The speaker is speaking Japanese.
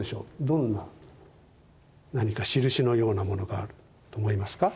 どんな何か印のようなものがあると思いますか？